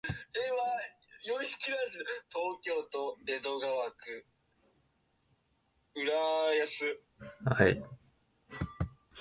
東京都江戸川区浦安